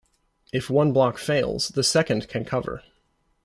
If one block fails, the second can cover.